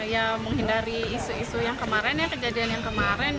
ya menghindari isu isu yang kemarin ya kejadian yang kemarin